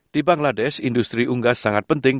di bangladesh industri unggas sangat penting